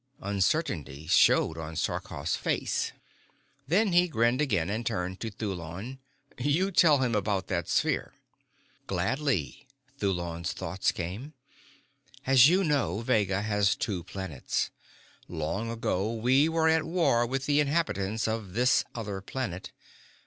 Uncertainty showed on Sarkoff's face. Then he grinned again and turned to Thulon. "You tell him about that sphere." "Gladly," Thulon's thoughts came. "As you know, Vega has two planets. Long ago we were at war with the inhabitants of this other planet.